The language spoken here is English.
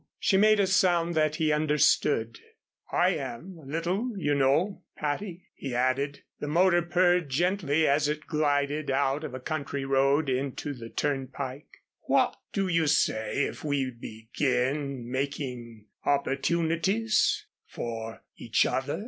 She made a sound that he understood. "I am, a little, you know, Patty," he added. The motor purred gently as it glided out of a country road into the turnpike. "What do you say if we begin making opportunities for each other?"